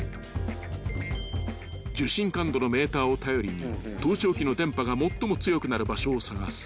［受信感度のメーターを頼りに盗聴器の電波が最も強くなる場所を探す］